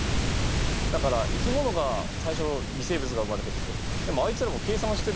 だから生き物が最初微生物が生まれてきてでもあいつらも計算してるじゃん？